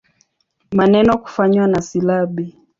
Maneno kufanywa na silabi.